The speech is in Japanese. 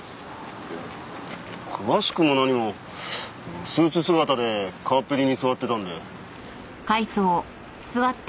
いや詳しくも何もスーツ姿で川っぺりに座ってたんで。